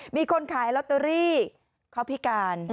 มีคนขายลอตเตอรี่เขาพิการ